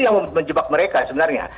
nah itu yang menjebak mereka sebenarnya